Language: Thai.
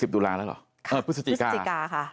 ๒๐ตุลาหรอพฤศจิกาค่ะค่ะพฤศจิกาค่ะ